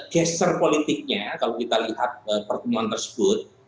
gesture politiknya kalau kita lihat pertemuan tersebut